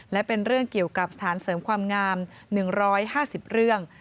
และเป็นเรื่องเกี่ยวกับสถานเสริมความงาม๑๕๐เรื่อง